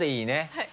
はい。